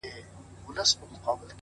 د ژوند مانا په ګټورو کارونو کې ده؛